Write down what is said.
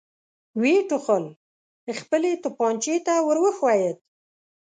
ويې ټوخل، خپلې توپانچې ته ور وښويېد.